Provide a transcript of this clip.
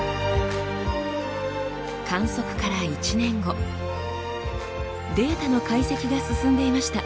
観測から１年後データの解析が進んでいました。